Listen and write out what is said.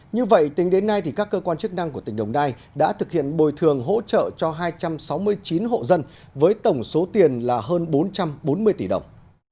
như vậy tính đến nay các cơ quan chức năng của tỉnh đồng nai đã thực hiện bồi thường hỗ trợ cho hai trăm sáu mươi chín hộ dân với tổng số tiền là hơn bốn trăm bốn mươi tỷ đồng